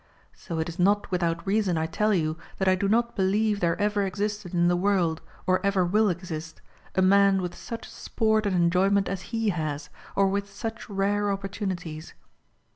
So it is not without reason I tell you that I do not believe there ever existed in the world or ever will exist, a man with such sport and enjoyment as he has, or with such rare opportunities.